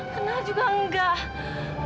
kenal juga nggak